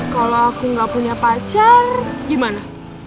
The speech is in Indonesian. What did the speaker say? kalo aku gak punya pacar gimana